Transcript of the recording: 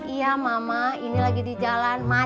iya mama ini lagi di jalan